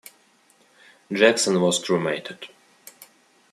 Jackson was cremated.